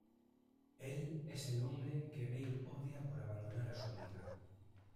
Él es el hombre que Vale odia por abandonar a su amiga.